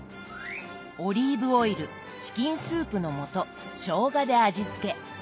オリーブオイルチキンスープの素しょうがで味付け。